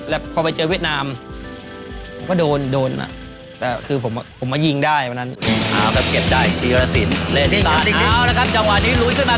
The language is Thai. แล้วจังหวะนี้ลุยขึ้นมาได้จังหวะเปิดรุ่นเรียบ